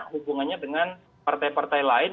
hubungannya dengan partai partai lain